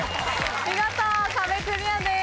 見事壁クリアです。